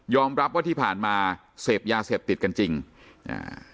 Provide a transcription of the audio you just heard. รับว่าที่ผ่านมาเสพยาเสพติดกันจริงอ่า